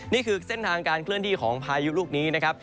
นี่คือเส้นทางการเคลื่อนที่ของพายุลูกนี้นะครับ